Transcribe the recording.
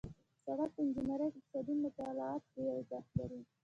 د سړک په انجنیري کې اقتصادي مطالعات ډېر ارزښت لري